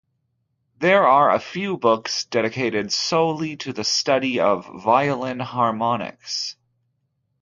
There are a few books dedicated solely to the study of violin harmonics.